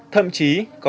thậm chí có